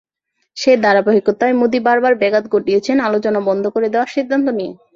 সেই ধারাবাহিকতায় মোদি বারবার ব্যাঘাত ঘটিয়েছেন আলোচনা বন্ধ করে দেওয়ার সিদ্ধান্ত নিয়ে।